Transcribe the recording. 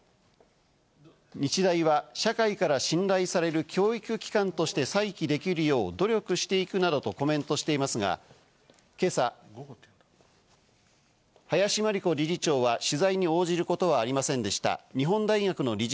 日大は社会から信頼される教育機関として再起できるよう努力していくなどとコメントしていますが今朝、林真理子理事長は取材に応じることはありませんでした。